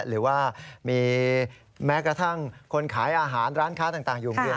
หรือว่ามีแม้กระทั่งคนขายอาหารร้านค้าต่างอยู่เมือง